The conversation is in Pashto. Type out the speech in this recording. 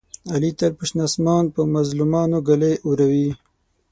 علي تل په شنه اسمان په مظلومانو ږلۍ اوروي.